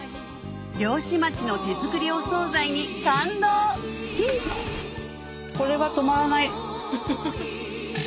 漁師町の手作りお総菜に感動これは止まらない。